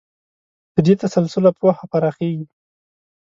له دې تسلسله پوهه پراخېږي.